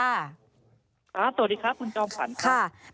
สวัสดีค่ะคุณก้อมฝัน